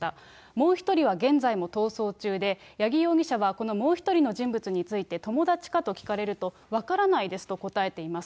もう１人は現在も逃走中で、八木容疑者はこのもう１人の人物について、友達かと聞かれると、分からないですと答えています。